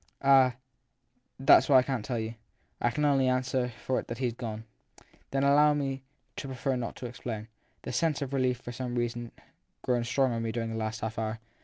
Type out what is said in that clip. Ah, that s what I can t tell you. I can only answer for it that he s gone/ 1 Then allow me also to prefer not to explain. The sense of relief has for some reason grown strong in me during the last half hour.